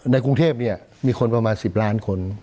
ในกรุงเทพมีคนประมาณ๑๐ล้านคน